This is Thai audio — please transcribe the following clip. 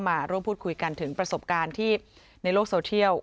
มาร่วมพูดคุยกันถึงประสบการณ์ที่ในโลกโซเทียล